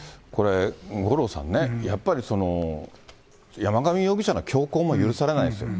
五郎さんね、やっぱり、山上容疑者の凶行も許されないです。